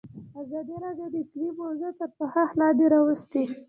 ازادي راډیو د اقلیم موضوع تر پوښښ لاندې راوستې.